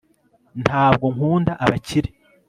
Ntabwo nkunda abakire